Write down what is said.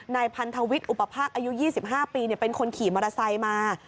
นายพันธวิทย์อุปภาคอายุ๒๕ปีเป็นคนขี่มอเตอร์ไซค์มา